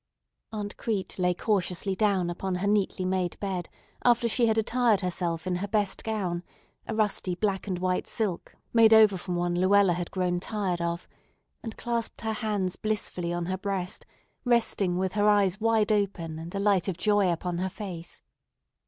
Aunt Crete lay cautiously down upon her neatly made bed after she had attired herself in her best gown, a rusty black and white silk made over from one Luella had grown tired of, and clasped her hands blissfully on her breast, resting with her eyes wide open and a light of joy upon her face.